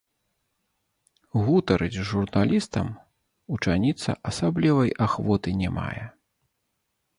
Гутарыць з журналістам вучаніца асаблівай ахвоты не мае.